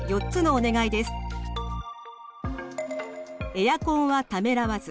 エアコンはためらわず。